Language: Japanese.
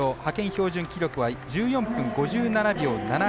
標準記録は１４分５７秒７２。